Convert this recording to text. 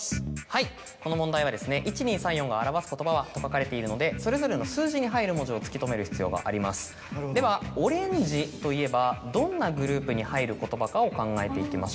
はいこの問題は「１２３４が表す言葉は？」と書かれているのでそれぞれの数字に入る文字を突き止める必要がありますではオレンジといえばどんなグループに入る言葉かを考えていきましょう。